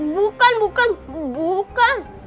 bukan bukan bukan